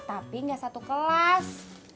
tapi gak satu kelas